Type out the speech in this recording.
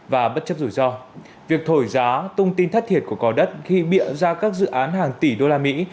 và bất chấp rủi ro việc thổi giá tung tin thất thiệt của cò đất khi bịa ra các dự án hàng tỷ đô la mỹ